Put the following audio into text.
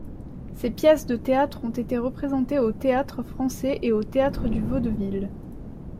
Ses pièces de théâtre ont été représentées au Théâtre-Français et au Théâtre du Vaudeville.